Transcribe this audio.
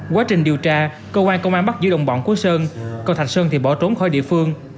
quá trình điều tra cơ quan công an bắt giữ đồng bọn của sơn còn thạch sơn thì bỏ trốn khỏi địa phương